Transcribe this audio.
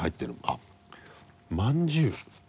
あっまんじゅう。